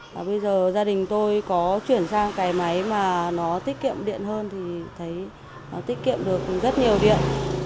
và bây giờ gia đình tôi có chuyển sang cái máy mà nó tiết kiệm điện hơn thì thấy tiết kiệm được rất nhiều điện